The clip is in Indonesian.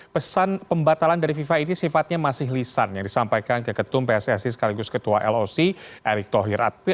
pesan pembatalan dari fifa ini sifatnya masih lisan yang disampaikan ke ketum pssi sekaligus ketua loc erick thohir atp